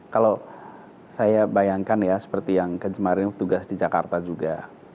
kalau saya bayangkan ya seperti yang kemarin tugas di jakarta juga